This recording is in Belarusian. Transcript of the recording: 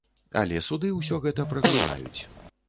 Але суды ўсё гэта праглынаюць.